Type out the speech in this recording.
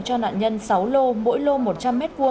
cho nạn nhân sáu lô mỗi lô một trăm linh m hai